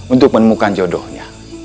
untuk menemukan jodohnya